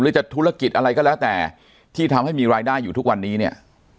จะธุรกิจอะไรก็แล้วแต่ที่ทำให้มีรายได้อยู่ทุกวันนี้เนี่ย